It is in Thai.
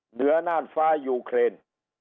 เหนือน่านฟ้ายูเครน